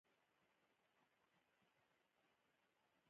هغه په منډه بیرته دکان ته ورنوت.